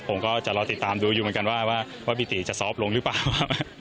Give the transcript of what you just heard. ผมก็จะรอติดตามดูอยู่เหมือนกันว่าว่าพี่ตี๋จะซอฟล์ลงหรืกป่าว